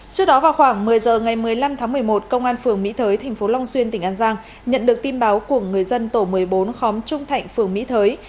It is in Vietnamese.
trước đó vào khoảng một mươi h ngày một mươi năm tháng một mươi một công an phường mỹ thới tp long xuyên tỉnh an giang nhận được tin báo của người dân tổ một mươi bốn khóm trung thạnh phường mỹ thới